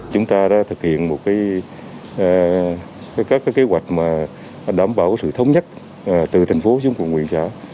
chúng ta đã thực hiện một cái các kế hoạch mà đảm bảo sự thống nhất từ thành phố xuống quận nguyện xã